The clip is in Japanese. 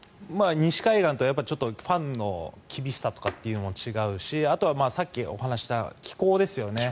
西海岸とはファンの厳しさも違いますしあとはさっき、お話しした気候ですよね。